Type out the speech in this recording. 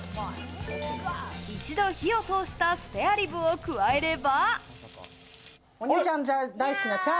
一度、火を通したスペアリブを加えれば。